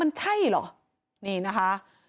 มันใช่เหรอนี่นะคะ